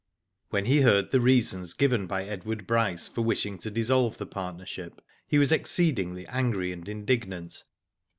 When he heard the reasons given by Edward Bryce for wishing to dissolve the partnership, he was exceedingly angry and indignant.